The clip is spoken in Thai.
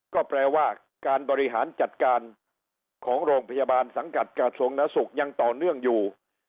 ก็แปลว่าการบริหารจัดการของโรงพยาบาลสังกัดกระทรวงนสุขยังต่อเนื่องอยู่